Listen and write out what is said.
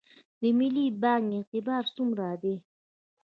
د ملي بانک اعتبار څومره دی؟